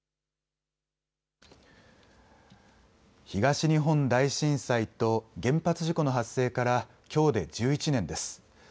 東日本大震災と原発事故の発生からきょうで１１年です。